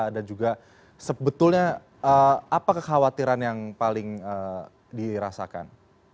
dan juga sebetulnya apa kekhawatiran yang paling dirasakan